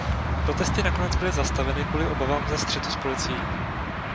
Protesty nakonec byly zastaveny kvůli obavám ze střetu s policií.